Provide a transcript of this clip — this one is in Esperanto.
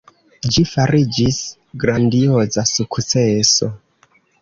Ĝi fariĝis grandioza sukceso.